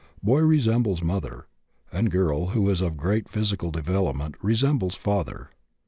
Boy resembles mother, and girl, who is of great physical development, resembles father.